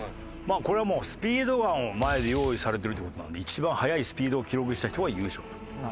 これはもうスピードガンを前で用意されてるという事なんで一番速いスピードを記録した人が優勝。